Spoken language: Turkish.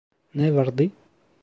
Ne vardı?